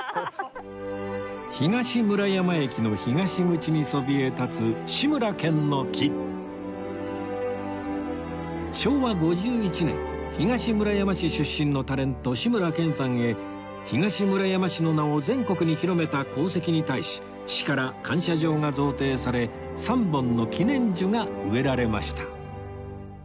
東村山駅の東口にそびえ立つ昭和５１年東村山市出身のタレント志村けんさんへ東村山市の名を全国に広めた功績に対し市から感謝状が贈呈され３本の記念樹が植えられました